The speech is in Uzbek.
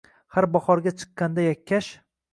Har bahorga chiqqanda yakkash